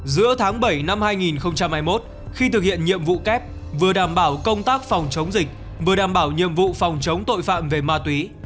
giữa tháng bảy năm hai nghìn hai mươi một khi thực hiện nhiệm vụ kép vừa đảm bảo công tác phòng chống dịch vừa đảm bảo nhiệm vụ phòng chống tội phạm về ma túy